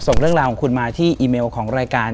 ส่งเรื่องราวของคุณมาที่อีเมลของรายการ